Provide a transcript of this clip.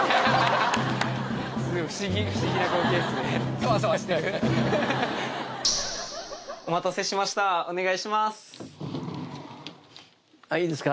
不思議な光景っすねそわそわしてるお待たせしましたお願いしますいいですか？